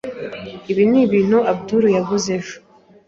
Ibi ni ibintu Abdul yaguze ejo.